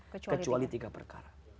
kecuali tiga perkara